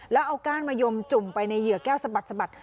แล้วเอาก้านมะยมจุ่มไปในเหยื่อแก้วสะบัดสะบัด